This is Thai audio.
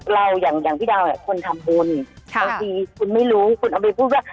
เราอย่างพี่ดาวคุณทำบุญบางทีคุณไม่รู้คุณเอาไปพูดว่า